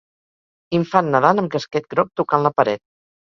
Infant nadant amb casquet groc tocant la paret.